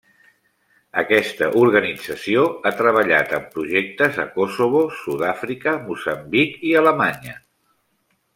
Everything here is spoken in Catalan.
Aquesta organització ha treballat en projectes a Kosovo, Sud-àfrica, Moçambic i Alemanya.